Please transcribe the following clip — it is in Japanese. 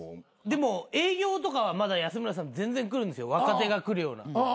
でも営業とかまだ安村さん全然来るんですよ若手が来るような。